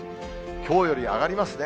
きょうより上がりますね。